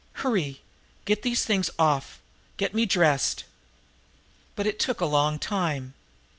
Hurry! Get these things off! Get me dressed!" But it took a long time.